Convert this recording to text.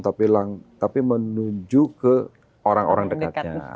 tapi menuju ke orang orang dekatnya